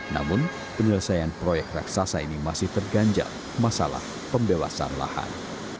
namun penyelesaian proyek raksasa ini masih terganjal masalah pembebasan lahan